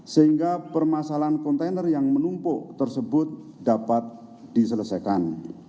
sehingga permasalahan kontainer yang menumpuk tersebut dapat diselesaikan